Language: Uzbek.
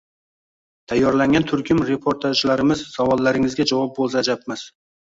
tayyorlangan turkum reportajlarimiz savollaringizga javob bo‘lsa ajabmas.